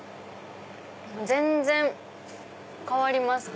全然変わります。